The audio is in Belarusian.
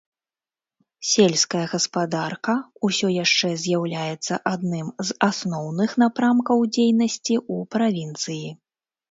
Сельская гаспадарка ўсё яшчэ з'яўляецца адным з асноўных напрамкаў дзейнасці ў правінцыі.